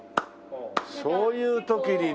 そういう時にね。